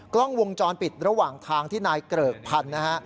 กล้องวงจรปิดระหว่างทางที่นายเกริกพันธุ์นะฮะ